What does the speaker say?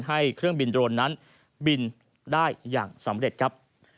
เครื่องบินโดรนนั้นบินได้อย่างสำเร็จครับ